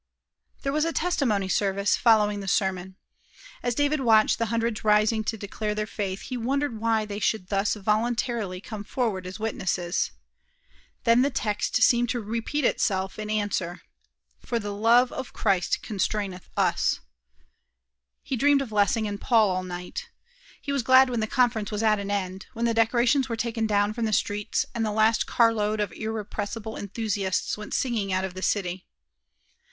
'" There was a testimony service following the sermon. As David watched the hundreds rising to declare their faith, he wondered why they should thus voluntarily come forward as witnesses. Then the text seemed to repeat itself in answer, "For the love of Christ constraineth us!" He dreamed of Lessing and Paul all night. He was glad when the conference was at an end; when the decorations were taken down from the streets, and the last car load of irrepressible enthusiasts went singing out of the city.